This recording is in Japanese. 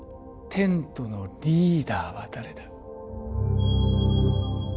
テントのリーダーは誰だ？